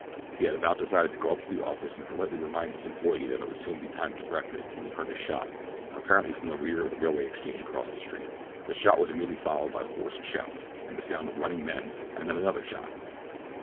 He had about decided to go up to the office and politely remind his employer that it would soon be time to breakfast when he heard a shot, apparently from the rear of the Railway Exchange across the street. The shot was immediately followed by hoarse shouts, and the sound of running men, and then another shot.